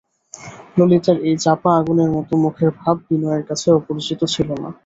ললিতার এই চাপা আগুনের মতো মুখের ভাব বিনয়ের কাছে অপরিচিত ছিল না।